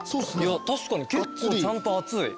確かに結構ちゃんと熱い。